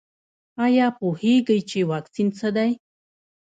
ایا پوهیږئ چې واکسین څه دی؟